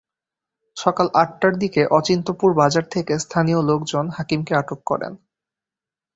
সকাল আটটার দিকে অচিন্ত্যপুর বাজার থেকে স্থানীয় লোকজন হাকিমকে আটক করেন।